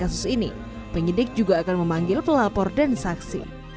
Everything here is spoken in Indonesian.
pada saat kasus ini penyelidik juga akan memanggil pelapor dan saksi